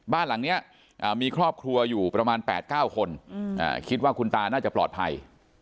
บ้านหลังนี้มีครอบครัวอยู่ประมาณ๘๙คนคิดว่าคุณตาน่าจะปลอดภัย